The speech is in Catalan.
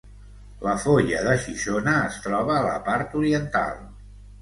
La Foia de Xixona es troba a la part oriental.